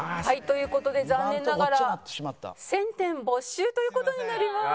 という事で残念ながら１０００点没収という事になります。